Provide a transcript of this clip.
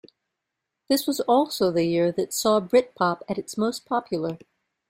This was also the year which saw Britpop at its most popular.